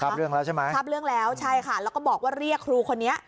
เรื่องแล้วใช่ไหมทราบเรื่องแล้วใช่ค่ะแล้วก็บอกว่าเรียกครูคนนี้